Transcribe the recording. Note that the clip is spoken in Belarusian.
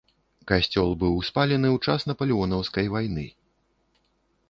Касцёл быў спалены ў час напалеонаўскай вайны.